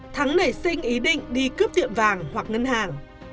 thắng nảy sinh ý định đi cướp tiệm vàng hoặc ngân hàng